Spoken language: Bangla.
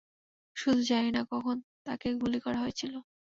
শুধু জানি না কখন তাকে গুলি করা হয়েছিল।